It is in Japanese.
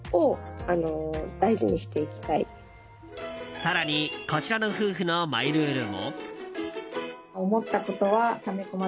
更に、こちらの夫婦のマイルールも。